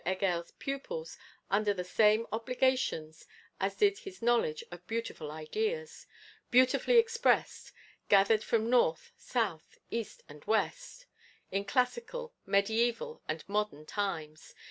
Heger's pupils under the same obligations as did his knowledge of beautiful ideas, beautifully expressed, gathered from north, south, east and west, in classical, mediæval and modern times.